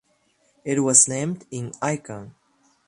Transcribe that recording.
It was named in Icon.